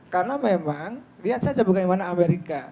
karena memang lihat saja bukan yang mana amerika